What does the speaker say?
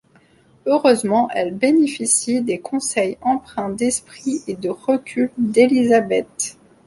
Heureusement, elle bénéficie des conseils empreints d'esprit et de recul d'Elizabeth.